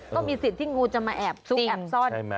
ก็มีสิทธิ์ที่งูจะมาแอบซุกแอบซ่อน